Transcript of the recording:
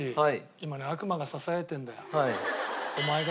今ね悪魔がささやいてるんだよ。